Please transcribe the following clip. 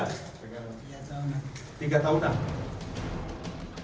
tiga tahun lah